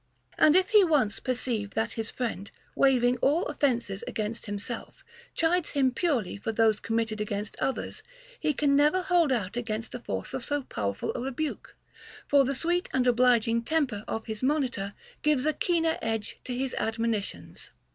And if he once perceive that his friend, waiving all offences against himself, chides him purely for those committed against others, he can never hold out against the force of so pow erful a rebuke ; for the sweet and obliging temper of his monitor gives a keener edge to his admonitions.